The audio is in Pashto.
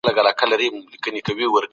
ايا له منابعو سمه استفاده کيږي؟